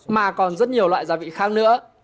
mà còn rất nhiều loại gia vị khác nữa